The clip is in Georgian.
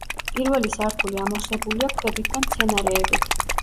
პირველი სართული ამოვსებულია ქვებით და მცენარეებით.